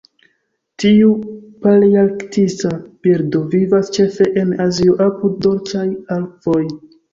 Tiu palearktisa birdo vivas ĉefe en Azio apud dolĉaj akvoj.